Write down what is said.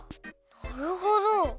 なるほど。